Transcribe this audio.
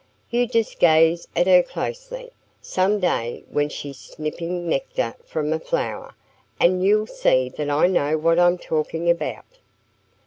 You just gaze at her closely, some day when she's sipping nectar from a flower, and you'll see that I know what I'm talking about."